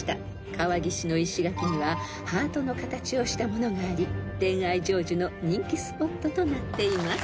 ［川岸の石垣にはハートの形をしたものがあり恋愛成就の人気スポットとなっています］